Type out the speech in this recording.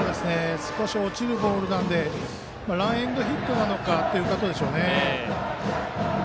少し落ちるボールなのでランエンドヒットというところでしょうね。